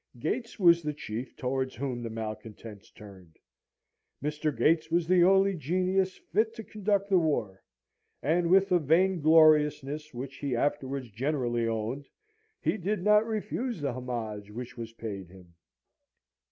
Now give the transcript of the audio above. Gates was the chief towards whom the malcontents turned. Mr. Gates was the only genius fit to conduct the war; and with a vaingloriousness, which he afterwards generously owned, he did not refuse the homage which was paid him.